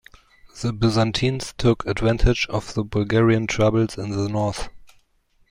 The Byzantines took advantage of the Bulgarian troubles in the north.